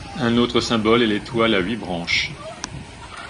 Un autre symbole est l'étoile à huit branches.